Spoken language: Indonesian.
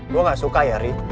gue gak suka ya ri